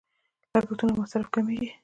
لګښتونه او مصارف کمیږي.